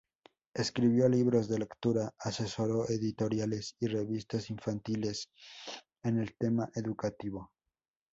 Escribió libros de lectura, asesoró editoriales y revistas infantiles en el tema educativo.